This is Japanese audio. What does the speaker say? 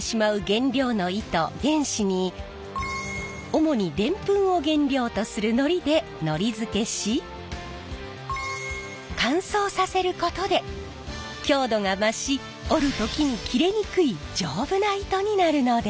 原糸に主にでんぷんを原料とするのりでのりづけし乾燥させることで強度が増し織る時に切れにくい丈夫な糸になるのです。